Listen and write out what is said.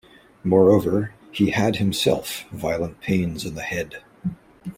Moreover, he had himself violent pains in the head.